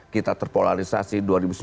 kita terpolarisasi dua ribu sembilan belas